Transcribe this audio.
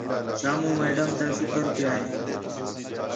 شامو میڈم تا شُکر کَیا ہے